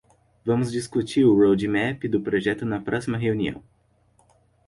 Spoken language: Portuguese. Vamos discutir o roadmap do projeto na próxima reunião.